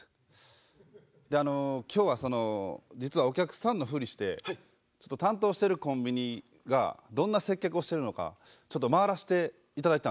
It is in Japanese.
であの今日はその実はお客さんのふりして担当してるコンビニがどんな接客をしてるのかちょっと回らしていただいてたんですよね。